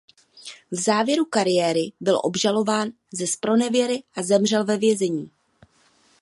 V závěru kariéry byl obžalován ze zpronevěry a zemřel ve vězení.